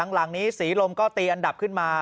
หลังนี้ศรีลมก็ตีอันดับขึ้นมา